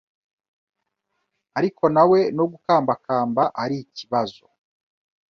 ariko na we no gukambakamba ari ikibazo.